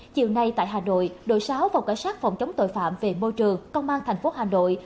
chiều nay tại hà nội đội sáu phòng cảnh sát phòng chống tội phạm về môi trường công an thành phố hà nội